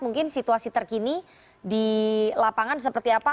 mungkin situasi terkini di lapangan seperti apa